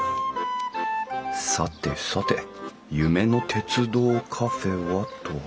さてさて夢の鉄道カフェはと。